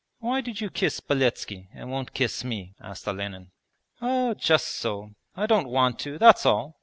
'Why did you kiss Beletski and won't kiss me?' asked Olenin. 'Oh, just so. I don't want to, that's all!'